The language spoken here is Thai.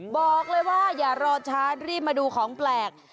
บอกเลยว่าอย่ารอช้ารีบมาดูของแปลก